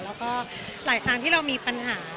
แล้วก็หลายครั้งที่เรามีปัญหา